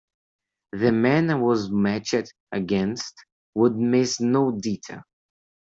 The men I was matched against would miss no detail.